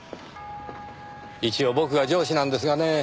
一応僕が上司なんですがねぇ。